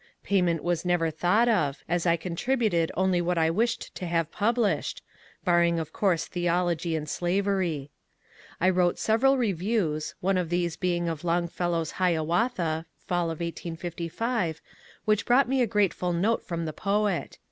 Payment was never thought of, as I contributed only what I wished to have published, — barring of course theology and slavery. I wrote several reviews, one of these being of Longfellow's " Hiawatha" (fall of 1856), which brought me a grateful note from the poet.